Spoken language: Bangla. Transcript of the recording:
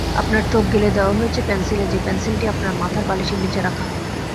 আপনার চোখ গেলে দেওয়া হয়েছে পেনসিলে-যে পেনসিলটি আপনার মাথার বালিশের নিচে রাখা।